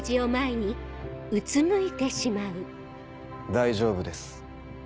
大丈夫です。